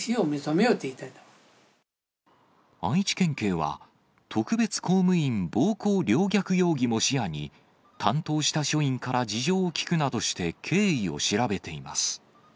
愛知県警は、特別公務員暴行陵虐容疑も視野に、担当した署員から事情を聴くなどして経緯を調べています。